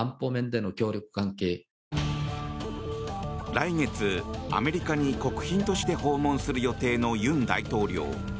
来月、アメリカに国賓として訪問する予定の尹大統領。